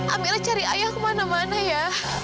amela cari ayah kemana mana ya